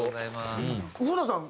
古田さん